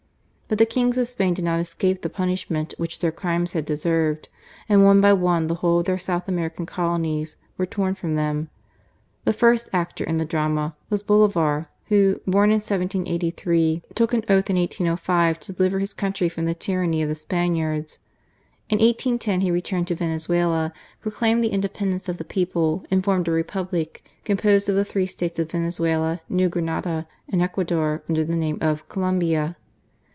But the kings of Spain did not escape the punishment which their crimes had deserved, and one by one the whole of their South American Colonies were torn from them. The first actor in the drama was Bolivar, who, born in 1783, took an oath in 1805 to deliver his country from the tjoranny of the Spaniards. In 1810 he returned to Venezuela, proclaimed the independence of the people and formed a Republic composed of the three States of Venezuela, New Granada, and Ecuador under the name of "Colombia."